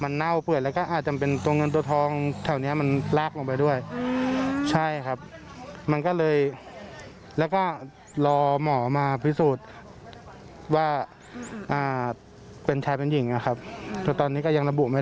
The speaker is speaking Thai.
ทุกคนนั่นตัวทองอะไรกินไปนะครับ